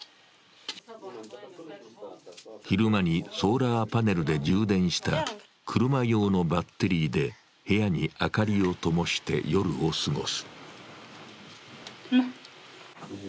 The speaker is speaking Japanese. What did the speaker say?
昼間にソーラーパネルで充電した車用のバッテリーで部屋に明かりを灯して夜を過ごす。